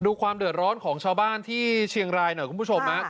ความเดือดร้อนของชาวบ้านที่เชียงรายหน่อยคุณผู้ชมฮะ